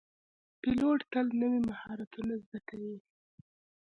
پیلوټ تل نوي مهارتونه زده کوي.